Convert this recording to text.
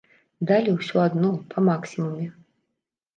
Далі ўсё адно па максімуме.